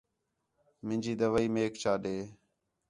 منجی دوائی میک چا ݙے